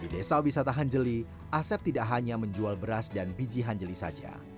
di desa wisata hanjeli asep tidak hanya menjual beras dan biji hanjeli saja